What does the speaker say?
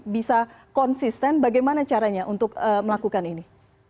bisa konsisten bagaimana caranya untuk melakukan ini